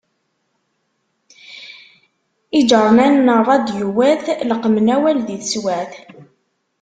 Iğernanen ṛṛadyuwat, leqmen awal di teswaԑt.